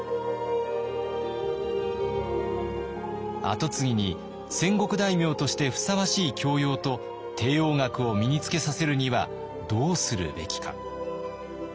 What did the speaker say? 跡継ぎに戦国大名としてふさわしい教養と帝王学を身につけさせるにはどうするべきか。